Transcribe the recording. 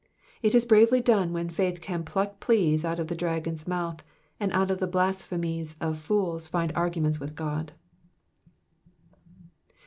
It is bravely done when faith can pluck pleas out of the dragon's mouth and out of the blasphemies of fools find arguments with God.